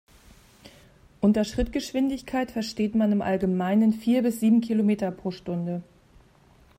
Unter Schrittgeschwindigkeit versteht man im Allgemeinen vier bis sieben Kilometer pro Stunde.